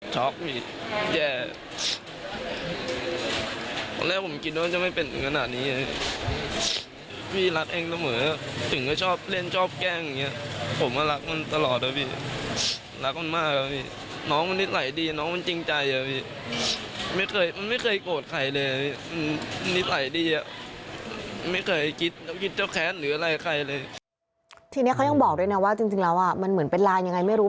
ทีนี้เขายังบอกด้วยนะว่าจริงแล้วมันเหมือนเป็นลานยังไงไม่รู้